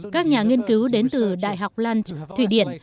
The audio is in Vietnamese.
các nhà nghiên cứu đến từ đại học lund thủy điển